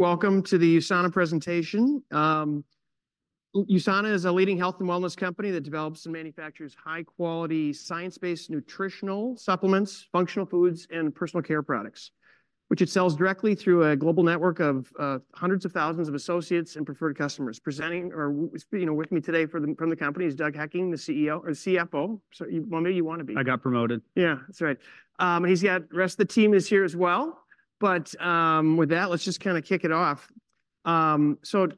Welcome to the USANA presentation. USANA is a leading health and wellness company that develops and manufactures high-quality, science-based nutritional supplements, functional foods, and personal care products, which it sells directly through a global network of hundreds of thousands of associates and preferred customers. Presenting, you know, with me today from the company is Doug Hekking, the CEO or CFO. Well, maybe you want to be. I got promoted. Yeah, that's right. He's got the rest of the team here as well, but with that, let's just kind of kick it off. So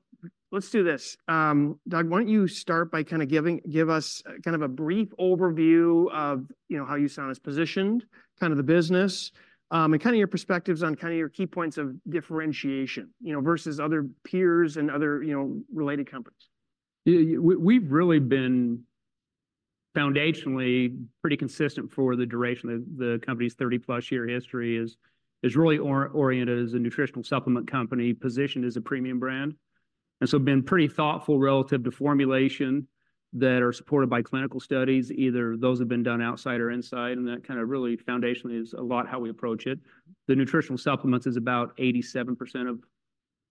let's do this. Doug, why don't you start by kind of giving us kind of a brief overview of, you know, how USANA is positioned, kind of the business, and kind of your perspectives on kind of your key points of differentiation, you know, versus other peers and other, you know, related companies. Yeah, we've really been foundationally pretty consistent for the duration of the company's 30-plus year history. It is really oriented as a nutritional supplement company, positioned as a premium brand. And so we've been pretty thoughtful relative to formulation that are supported by clinical studies, either those have been done outside or inside, and that kind of really foundationally is a lot how we approach it. The nutritional supplements is about 87% of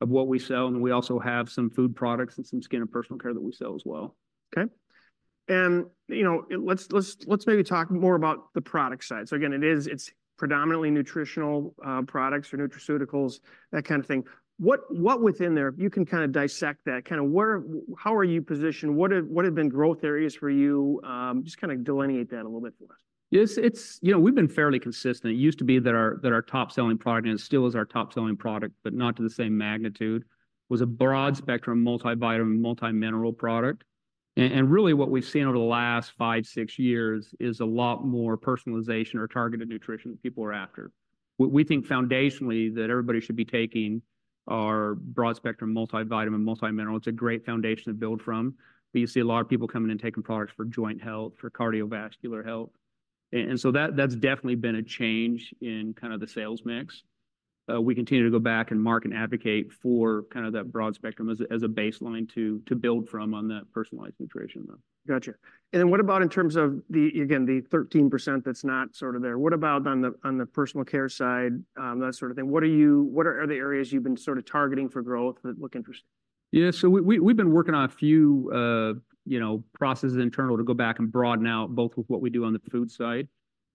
what we sell, and we also have some food products and some skin and personal care that we sell as well. Okay. And, you know, let's maybe talk more about the product side. So again, it is, it's predominantly nutritional products or nutraceuticals, that kind of thing. What within there, if you can kind of dissect that, kind of where, how are you positioned? What have been growth areas for you? Just kind of delineate that a little bit for us. Yes, it's, you know, we've been fairly consistent. It used to be that our top-selling product, and it still is our top-selling product, but not to the same magnitude, was a broad-spectrum multivitamin, multimineral product. And really, what we've seen over the last five, six years is a lot more personalization or targeted nutrition people are after. We think foundationally that everybody should be taking our broad-spectrum multivitamin, multimineral. It's a great foundation to build from, but you see a lot of people coming in and taking products for joint health, for cardiovascular health. And so that, that's definitely been a change in kind of the sales mix. We continue to go back and market and advocate for kind of that broad spectrum as a baseline to build from on that personalized nutrition, though. Gotcha. And then what about in terms of the, again, the 13% that's not sort of there? What about on the, on the personal care side, that sort of thing? What are the areas you've been sort of targeting for growth that look interesting? Yeah. So we've been working on a few, you know, processes internal to go back and broaden out both with what we do on the food side.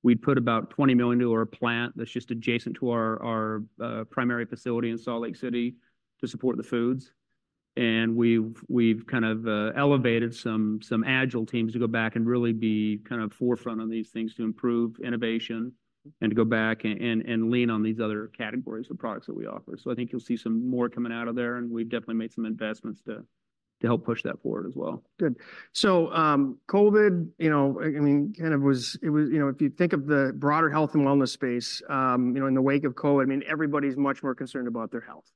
We put about $20 million dollar plant that's just adjacent to our primary facility in Salt Lake City to support the foods. And we've kind of elevated some Agile teams to go back and really be kind of forefront on these things to improve innovation and to go back and lean on these other categories of products that we offer. So I think you'll see some more coming out of there, and we've definitely made some investments to help push that forward as well. Good. So, COVID, you know, I mean—you know, if you think of the broader health and wellness space, you know, in the wake of COVID, I mean, everybody's much more concerned about their health.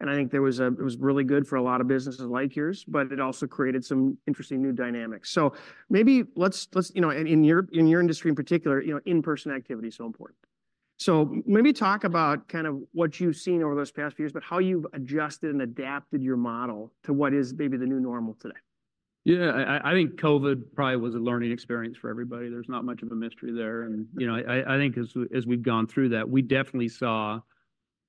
And I think it was really good for a lot of businesses like yours, but it also created some interesting new dynamics. So maybe let's, you know, in your industry in particular, you know, in-person activity is so important. So maybe talk about kind of what you've seen over those past few years, but how you've adjusted and adapted your model to what is maybe the new normal today. Yeah, I think COVID probably was a learning experience for everybody. There's not much of a mystery there. And, you know, I think as we've gone through that, we definitely saw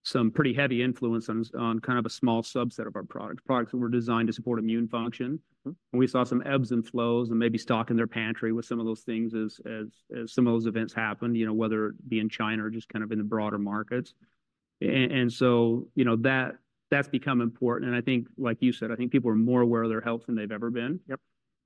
some pretty heavy influence on kind of a small subset of our products, products that were designed to support immune function. Mm. And we saw some ebbs and flows and maybe stocked in their pantry with some of those things as some of those events happened, you know, whether it be in China or just kind of in the broader markets. And so, you know, that's become important. And I think, like you said, I think people are more aware of their health than they've ever been. Yep.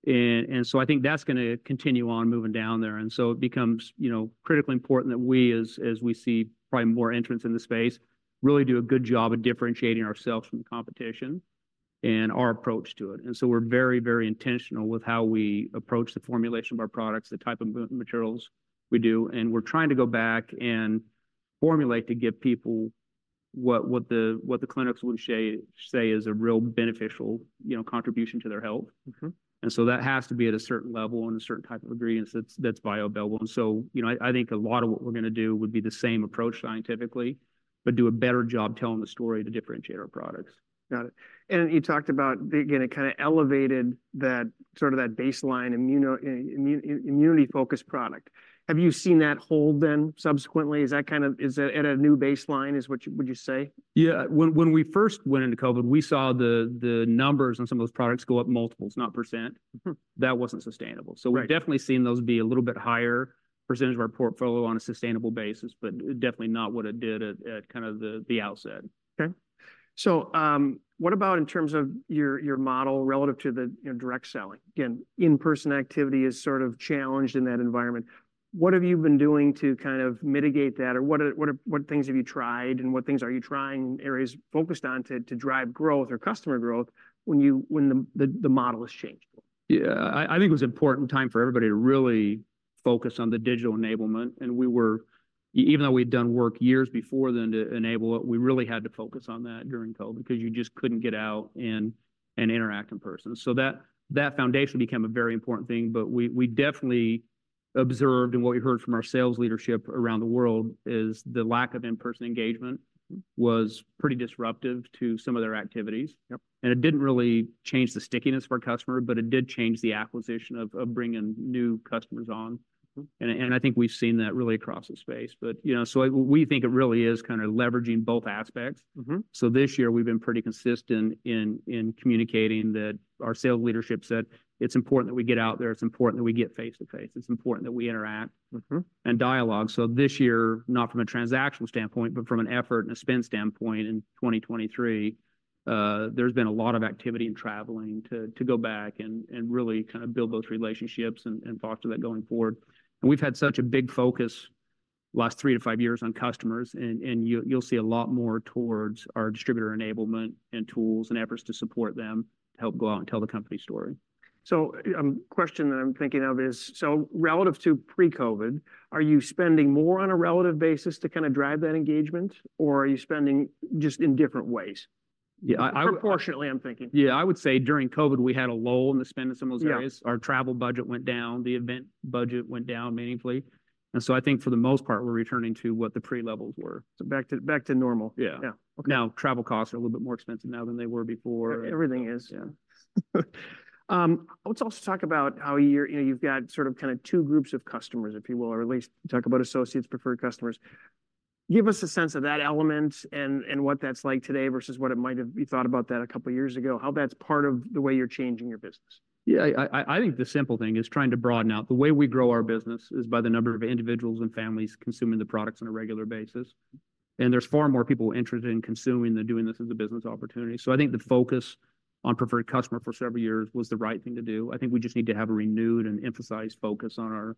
And so I think that's gonna continue on moving down there. And so it becomes, you know, critically important that we as we see probably more entrants in the space, really do a good job at differentiating ourselves from the competition and our approach to it. And so we're very, very intentional with how we approach the formulation of our products, the type of materials we do, and we're trying to go back and formulate to give people what the clinics would say is a real beneficial, you know, contribution to their health. Mm-hmm. And so that has to be at a certain level and a certain type of ingredients that's, that's bioavailable. And so, you know, I, I think a lot of what we're gonna do would be the same approach scientifically, but do a better job telling the story to differentiate our products. Got it. And you talked about, again, it kind of elevated that sort of that baseline immunity-focused product. Have you seen that hold then subsequently? Is that kind of- is it at a new baseline, is what would you say? Yeah. When we first went into COVID, we saw the numbers on some of those products go up multiples, not percent. Mm-hmm. That wasn't sustainable. Right. So we've definitely seen those be a little bit higher percentage of our portfolio on a sustainable basis, but definitely not what it did at kind of the outset. Okay. So, what about in terms of your model relative to the, you know, direct selling? Again, in-person activity is sort of challenged in that environment. What have you been doing to kind of mitigate that? Or what things have you tried, and what things are you trying, areas focused on to drive growth or customer growth when the model has changed? Yeah, I think it was an important time for everybody to really focus on the digital enablement, and we were even though we'd done work years before then to enable it, we really had to focus on that during COVID because you just couldn't get out and interact in person. So that foundation became a very important thing. But we definitely observed and what we heard from our sales leadership around the world is the lack of in-person engagement was pretty disruptive to some of their activities. Yep. It didn't really change the stickiness of our customer, but it did change the acquisition of bringing new customers on. Mm-hmm. I think we've seen that really across the space. But, you know, we think it really is kind of leveraging both aspects. Mm-hmm. So this year we've been pretty consistent in communicating that our sales leadership said it's important that we get out there, it's important that we get face-to-face, it's important that we interact- Mm-hmm And dialogue. So this year, not from a transactional standpoint, but from an effort and a spend standpoint in 2023, there's been a lot of activity in traveling to go back and really kind of build those relationships and talk to that going forward. And we've had such a big focus last 3-5 years on customers, and you'll see a lot more towards our distributor enablement and tools and efforts to support them to help go out and tell the company story. So, question that I'm thinking of is, so relative to pre-COVID, are you spending more on a relative basis to kind of drive that engagement, or are you spending just in different ways? Yeah. Proportionally, I'm thinking. Yeah, I would say during COVID, we had a lull in the spend in some of those areas. Yeah. Our travel budget went down, the event budget went down meaningfully. So I think for the most part, we're returning to what the pre-levels were. So back to normal? Yeah. Yeah. Okay. Now, travel costs are a little bit more expensive now than they were before. Everything is, yeah. Let's also talk about how you're, you know, you've got sort of, kind of two groups of customers, if you will, or at least talk about associates, preferred customers. Give us a sense of that element and what that's like today versus what it might have, you thought about that a couple of years ago, how that's part of the way you're changing your business. Yeah, I think the simple thing is trying to broaden out. The way we grow our business is by the number of individuals and families consuming the products on a regular basis. And there's far more people interested in consuming than doing this as a business opportunity. So I think the focus on Preferred Customers for several years was the right thing to do. I think we just need to have a renewed and emphasized focus on our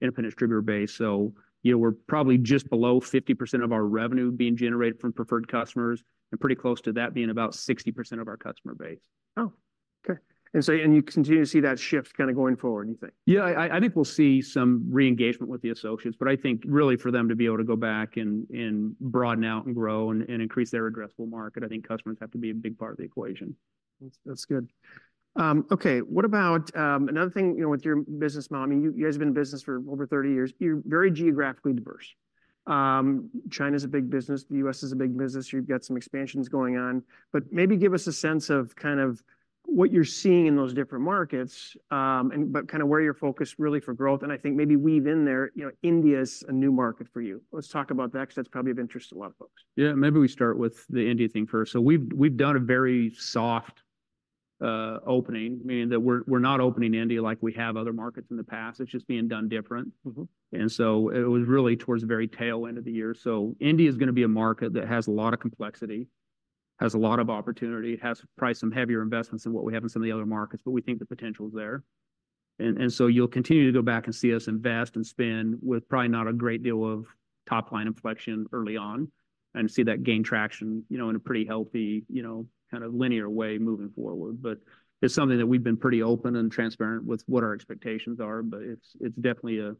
independent distributor base. So, you know, we're probably just below 50% of our revenue being generated from Preferred Customers, and pretty close to that being about 60% of our customer base. Oh, okay. You continue to see that shift kind of going forward, you think? Yeah, I think we'll see some re-engagement with the associates, but I think really for them to be able to go back and broaden out and grow and increase their addressable market, I think customers have to be a big part of the equation. That's, that's good. Okay, what about another thing, you know, with your business model, I mean, you guys have been in business for over 30 years. You're very geographically diverse. China's a big business, the U.S. is a big business. You've got some expansions going on, but maybe give us a sense of kind of what you're seeing in those different markets, and but kind of where you're focused really for growth. And I think maybe weave in there, you know, India's a new market for you. Let's talk about that because that's probably of interest to a lot of folks. Yeah. Maybe we start with the India thing first. So we've done a very soft opening, meaning that we're not opening India like we have other markets in the past. It's just being done different. Mm-hmm. And so it was really towards the very tail end of the year. So India is going to be a market that has a lot of complexity, has a lot of opportunity, it has probably some heavier investments than what we have in some of the other markets, but we think the potential is there. And so you'll continue to go back and see us invest and spend with probably not a great deal of top-line inflection early on, and see that gain traction, you know, in a pretty healthy, you know, kind of linear way moving forward. But it's something that we've been pretty open and transparent with what our expectations are, but it's definitely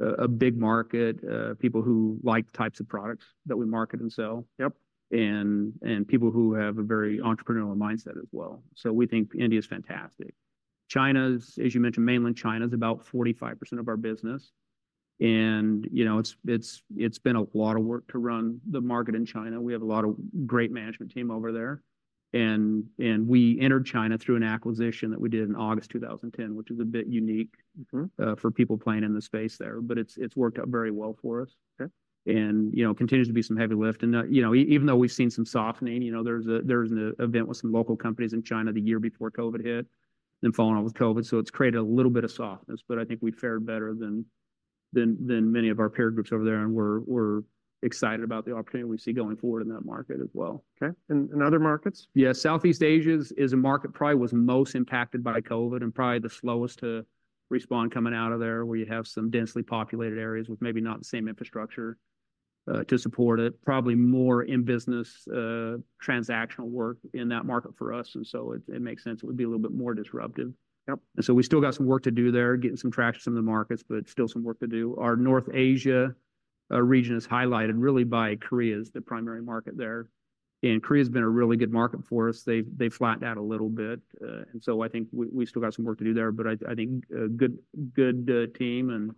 a big market, people who like the types of products that we market and sell. Yep. People who have a very entrepreneurial mindset as well. So we think India is fantastic. China's, as you mentioned, Mainland China is about 45% of our business. And, you know, it's been a lot of work to run the market in China. We have a lot of great management team over there. And we entered China through an acquisition that we did in August 2010, which is a bit unique- Mm-hmm For people playing in the space there, but it's worked out very well for us. Okay. You know, it continues to be some heavy lift. You know, even though we've seen some softening, you know, there's an event with some local companies in China the year before COVID hit, then following on with COVID, so it's created a little bit of softness. But I think we fared better than many of our peer groups over there, and we're excited about the opportunity we see going forward in that market as well. Okay. And other markets? Yeah, Southeast Asia is a market probably was most impacted by COVID and probably the slowest to respond coming out of there, where you have some densely populated areas with maybe not the same infrastructure to support it. Probably more in business, transactional work in that market for us, and so it, it makes sense, it would be a little bit more disruptive. Yep. And so we still got some work to do there, getting some traction in the markets, but still some work to do. Our North Asia region is highlighted really by Korea as the primary market there. And Korea has been a really good market for us. They've flattened out a little bit, and so I think we still got some work to do there. But I think a good team and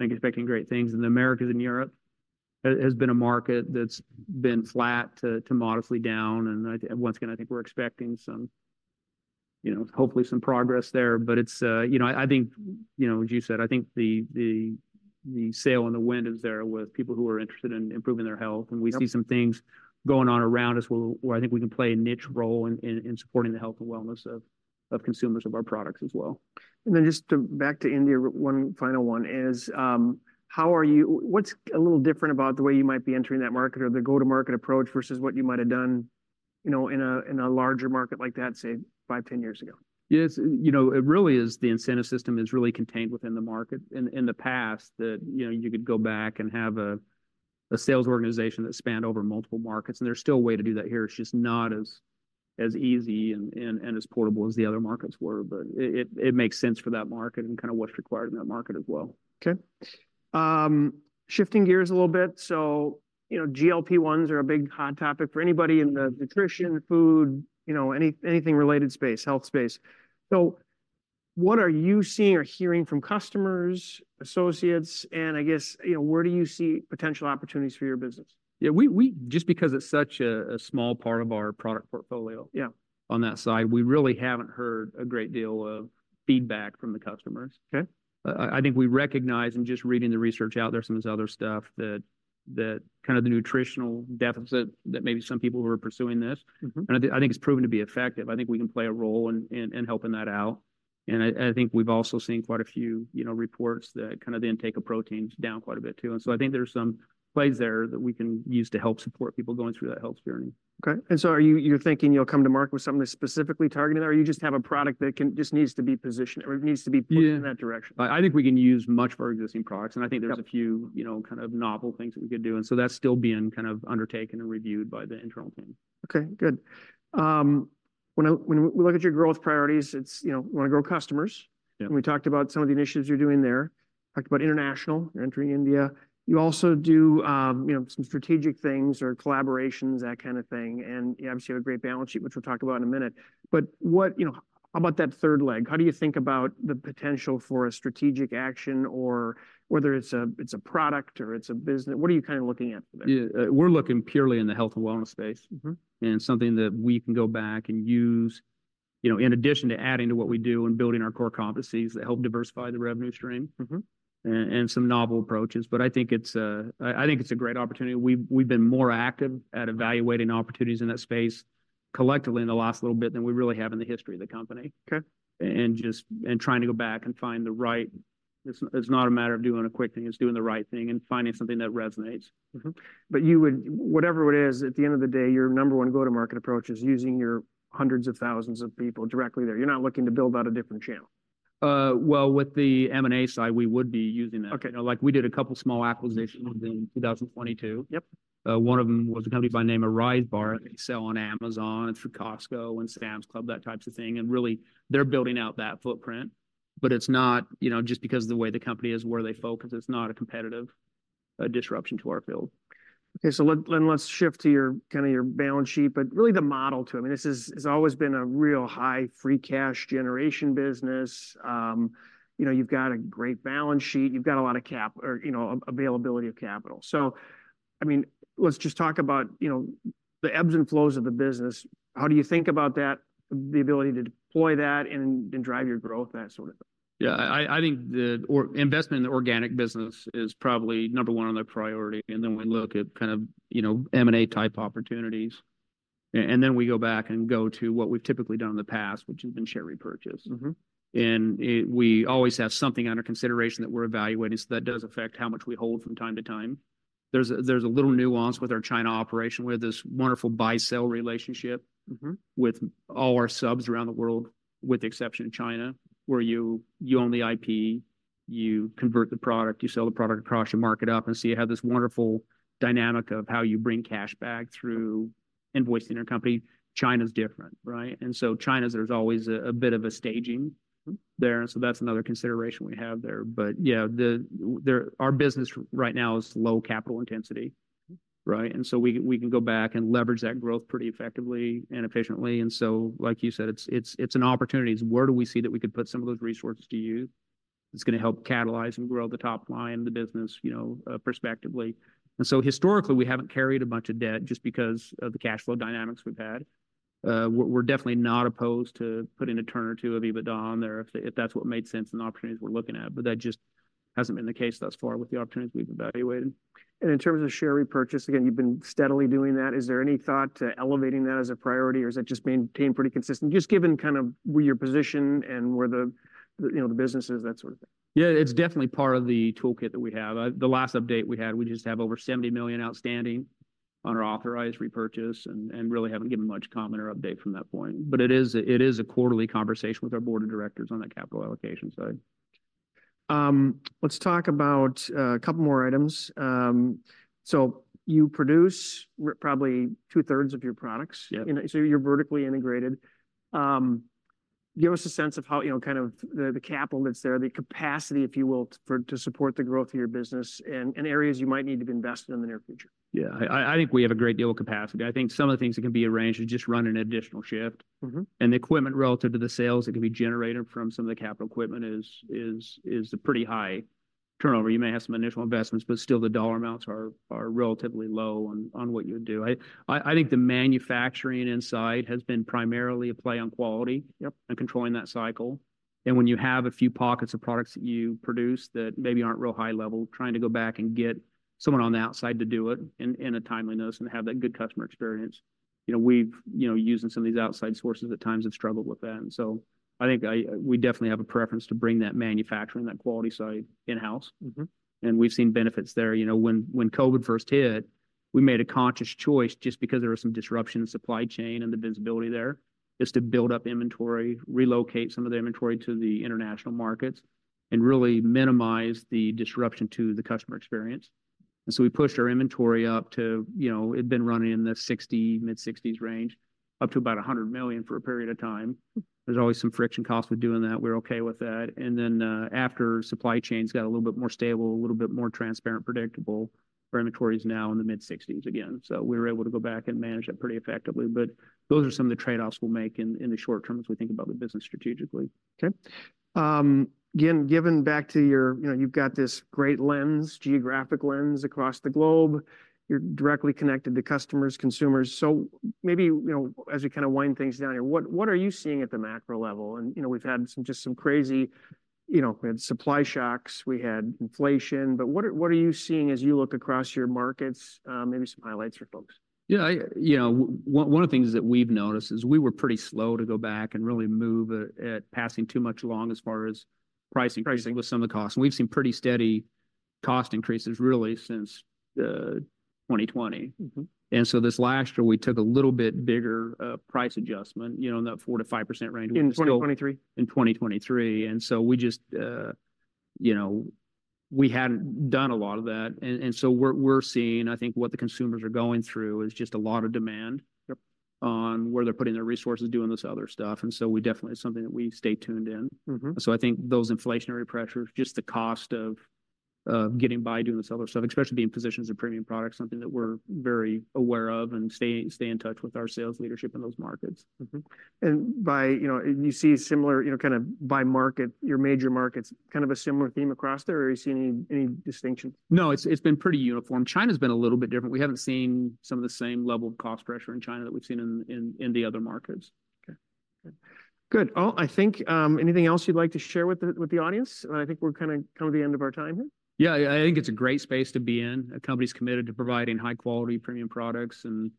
I'm expecting great things. In the Americas and Europe has been a market that's been flat to modestly down, and I once again, I think we're expecting some, you know, hopefully some progress there. But it's, you know, I think, you know, as you said, I think the sail and the wind is there with people who are interested in improving their health. Yep. We see some things going on around us, where I think we can play a niche role in supporting the health and wellness of consumers of our products as well. Then just to back to India, one final one is, how are you, what's a little different about the way you might be entering that market or the go-to-market approach versus what you might have done, you know, in a larger market like that, say, five, 10 years ago? Yes, you know, it really is the incentive system is really contained within the market. In the past that, you know, you could go back and have a sales organization that spanned over multiple markets, and there's still a way to do that here. It's just not as easy and as portable as the other markets were. But it makes sense for that market and kind of what's required in that market as well. Okay. Shifting gears a little bit. So, you know, GLP-1s are a big hot topic for anybody in the nutrition, food, you know, anything related space, health space. So what are you seeing or hearing from customers, associates, and I guess, you know, where do you see potential opportunities for your business? Yeah, just because it's such a small part of our product portfolio- Yeah On that side, we really haven't heard a great deal of feedback from the customers. Okay. I think we recognize, and just reading the research out there, some of this other stuff, that kind of the nutritional deficit that maybe some people who are pursuing this. Mm-hmm. I think it's proven to be effective. I think we can play a role in helping that out. I think we've also seen quite a few, you know, reports that kind of the intake of protein's down quite a bit, too. So I think there's some plays there that we can use to help support people going through that health journey. Okay. And so are you, you're thinking you'll come to market with something that's specifically targeted, or you just have a product that can, just needs to be positioned or needs to be pushed? Yeah in that direction? I think we can use much of our existing products, and I think there's- Yeah A few, you know, kind of novel things that we could do, and so that's still being kind of undertaken and reviewed by the internal team. Okay, good. When we look at your growth priorities, it's, you know, you want to grow customers. Yeah. We talked about some of the initiatives you're doing there. Talked about international, you're entering India. You also do, you know, some strategic things or collaborations, that kind of thing, and you obviously have a great balance sheet, which we'll talk about in a minute. But what... You know, how about that third leg? How do you think about the potential for a strategic action, or whether it's a, it's a product or it's a business? What are you kind of looking at for there? Yeah. We're looking purely in the health and wellness space. Mm-hmm. Something that we can go back and use, you know, in addition to adding to what we do and building our core competencies that help diversify the revenue stream- Mm-hmm And some novel approaches. But I think it's a great opportunity. We've been more active at evaluating opportunities in that space collectively in the last little bit than we really have in the history of the company. Okay. Trying to go back and find the right... It's not a matter of doing a quick thing, it's doing the right thing and finding something that resonates. Mm-hmm. But you would—whatever it is, at the end of the day, your number one go-to-market approach is using your hundreds of thousands of people directly there. You're not looking to build out a different channel. Well, with the M&A side, we would be using that. Okay. You know, like, we did a couple small acquisitions in 2022. Yep. One of them was a company by the name of Rise Bar. They sell on Amazon, through Costco and Sam's Club, that type of thing, and really, they're building out that footprint. But it's not... You know, just because of the way the company is, where they focus, it's not a competitive disruption to our field. Okay, so then let's shift to your kind of balance sheet, but really the model to it. I mean, this has always been a real high free cash generation business. You know, you've got a great balance sheet, you've got a lot of capital, you know, availability of capital. So I mean, let's just talk about, you know, the ebbs and flows of the business. How do you think about that, the ability to deploy that and drive your growth, that sort of thing? Yeah, I think the organic investment in the organic business is probably number one on the priority, and then we look at kind of, you know, M&A type opportunities. And then we go back and go to what we've typically done in the past, which has been share repurchase. Mm-hmm. And, we always have something under consideration that we're evaluating, so that does affect how much we hold from time to time. There's a little nuance with our China operation, where there's this wonderful buy-sell relationship- Mm-hmm with all our subs around the world, with the exception of China, where you, you own the IP, you convert the product, you sell the product across the market up, and so you have this wonderful dynamic of how you bring cash back through invoicing your company. China's different, right? And so China, there's always a bit of a staging there, and so that's another consideration we have there. But yeah, our business right now is low capital intensity, right? And so we can, we can go back and leverage that growth pretty effectively and efficiently. And so, like you said, it's, it's, it's an opportunity. It's where do we see that we could put some of those resources to use that's going to help catalyze and grow the top line of the business, you know, prospectively? And so historically, we haven't carried a bunch of debt just because of the cash flow dynamics we've had. We're definitely not opposed to putting a turn or two of EBITDA on there if that's what made sense in the opportunities we're looking at, but that just hasn't been the case thus far with the opportunities we've evaluated. In terms of share repurchase, again, you've been steadily doing that. Is there any thought to elevating that as a priority, or is that just maintained pretty consistent? Just given kind of where your position and where the you know the business is, that sort of thing. Yeah, it's definitely part of the toolkit that we have. The last update we had, we just have over $70 million outstanding on our authorized repurchase and really haven't given much comment or update from that point. But it is a quarterly conversation with our board of directors on the capital allocation side. Let's talk about a couple more items. So you produce probably two-thirds of your products. Yeah. So you're vertically integrated. Give us a sense of how, you know, kind of the capital that's there, the capacity, if you will, for to support the growth of your business and areas you might need to be invested in the near future? Yeah. I think we have a great deal of capacity. I think some of the things that can be arranged is just run an additional shift. Mm-hmm. And the equipment relative to the sales that can be generated from some of the capital equipment is a pretty high turnover. You may have some initial investments, but still the dollar amounts are relatively low on what you would do. I think the manufacturing inside has been primarily a play on quality. Yep And controlling that cycle. And when you have a few pockets of products that you produce that maybe aren't real high level, trying to go back and get someone on the outside to do it in a timeliness and have that good customer experience. You know, we've, you know, using some of these outside sources at times have struggled with that. And so I think we definitely have a preference to bring that manufacturing, that quality side in-house. Mm-hmm. We've seen benefits there. You know, when COVID first hit, we made a conscious choice, just because there was some disruption in supply chain and the visibility there, is to build up inventory, relocate some of the inventory to the international markets, and really minimize the disruption to the customer experience... And so we pushed our inventory up to, you know, it'd been running in the 60, mid-60s range, up to about $100 million for a period of time. There's always some friction costs with doing that. We're okay with that. And then, after supply chains got a little bit more stable, a little bit more transparent, predictable, our inventory is now in the mid-60s again. So we were able to go back and manage that pretty effectively, but those are some of the trade-offs we'll make in the short term as we think about the business strategically. Okay. Again, given back to you—you know, you've got this great lens, geographic lens, across the globe. You're directly connected to customers, consumers. So maybe, you know, as we kind of wind things down here, what are you seeing at the macro level? And, you know, we've had some crazy... You know, we had supply shocks, we had inflation, but what are you seeing as you look across your markets? Maybe some highlights for folks. Yeah, you know, one of the things that we've noticed is we were pretty slow to go back and really move at passing too much along as far as pricing with some of the costs. We've seen pretty steady cost increases really since 2020. Mm-hmm. And so this last year, we took a little bit bigger price adjustment, you know, in that 4%-5% range- In 2023? In 2023. And so we just, you know, we hadn't done a lot of that. And so we're seeing, I think, what the consumers are going through is just a lot of demand- Yep... on where they're putting their resources, doing this other stuff. And so we definitely, it's something that we stay tuned in. Mm-hmm. I think those inflationary pressures, just the cost of getting by doing this other stuff, especially being positioned as a premium product, something that we're very aware of and stay in touch with our sales leadership in those markets. Mm-hmm. And by, you know, and you see similar, you know, kind of by market, your major markets, kind of a similar theme across there, or are you seeing any, any distinction? No, it's been pretty uniform. China's been a little bit different. We haven't seen some of the same level of cost pressure in China that we've seen in the other markets. Okay. Good. Well, I think anything else you'd like to share with the audience? I think we're kind of coming to the end of our time here. Yeah. I think it's a great space to be in. A company committed to providing high-quality, premium products. And,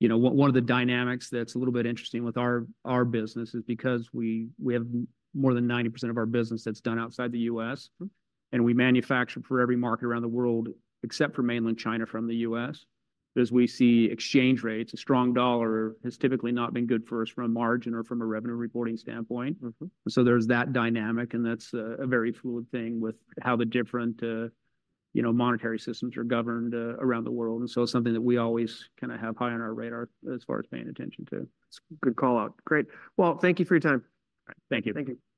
you know, one of the dynamics that's a little bit interesting with our business is because we have more than 90% of our business that's done outside the U.S.- Mm... and we manufacture for every market around the world, except for Mainland China, from the U.S. As we see exchange rates, a strong dollar has typically not been good for us from a margin or from a revenue reporting standpoint. Mm-hmm. So there's that dynamic, and that's a very fluid thing with how the different, you know, monetary systems are governed around the world. And so it's something that we always kind of have high on our radar as far as paying attention to. It's a good call-out. Great! Well, thank you for your time. Thank you. Thank you.